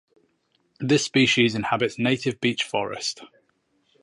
This species inhabits native beech forest.